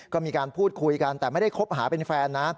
ก็มีการพูดคุยกันแต่ไม่ได้คบหาเป็นแฟนนะ